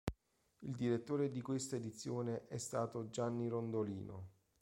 Il direttore di questa edizione è stato Gianni Rondolino.